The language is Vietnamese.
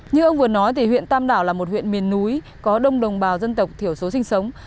như ông vừa nói thì huyện tam đảo là một huyện miền núi có đông đồng bào dân tộc thiểu số sinh sống